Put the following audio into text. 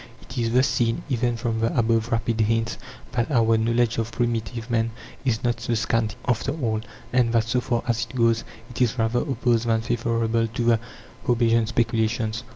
It is thus seen, even from the above rapid hints, that our knowledge of primitive man is not so scanty after all, and that, so far as it goes, it is rather opposed than favourable to the Hobbesian speculations.